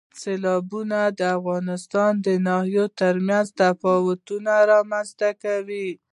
سیلابونه د افغانستان د ناحیو ترمنځ تفاوتونه رامنځ ته کوي.